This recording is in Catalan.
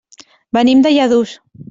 Venim de Lladurs.